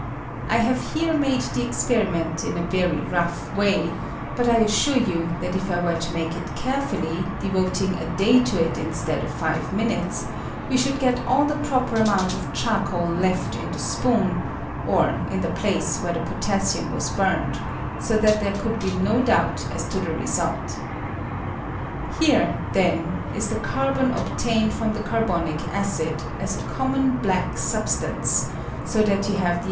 I have here made the experiment in a very rough way, but I as sure you that if I were to make it carefully, de voting a day to it instead of five minutes, wa should get all the proper amount of charcoal left in the spoon, or in the place where the potassium was burned, so that there could be no doubt aa to the result. Here, then, ia the carbon obtained from the carbonic acid, as a common black substance ; so that you have the I I CARBON IN WOOD AND COAL GAS.